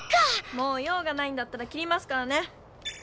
もう用がないんだったら切りますからね。